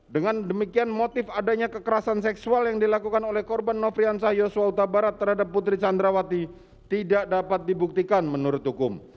dengan demikian motif adanya kekerasan seksual yang dilakukan oleh korban nofriansah yosua utabarat terhadap putri candrawati tidak dapat dibuktikan menurut hukum